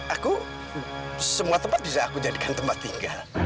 aku semua tempat bisa aku jadikan tempat tinggal